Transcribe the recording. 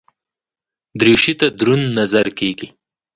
دریشي ته دروند نظر کېږي.